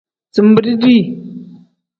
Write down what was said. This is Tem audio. Zinbiri dii.